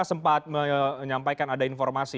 sempat menyampaikan ada informasi